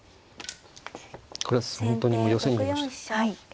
これは本当にもう寄せに行きました。